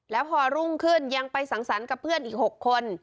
แล้วพอรุ่งขึ้นยังไปสังสรรค์กับเพื่อนอีก๖คน